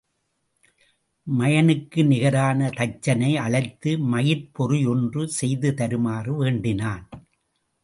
மயனுக்கு நிகரான தச்சனை அழைத்து மயிற் பொறி ஒன்று செய்து தருமாறு வேண்டினான்.